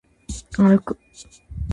歩く